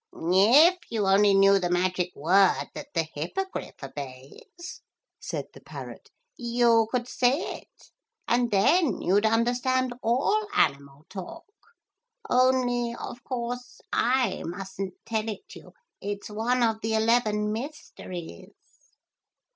'If you only knew the magic word that the Hippogriff obeys,' said the parrot, 'you could say it, and then you'd understand all animal talk. Only, of course, I mustn't tell it you. It's one of the eleven mysteries.'